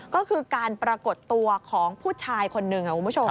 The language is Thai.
ก็คือการปรากฏตัวของผู้ชายคนหนึ่งค่ะคุณผู้ชม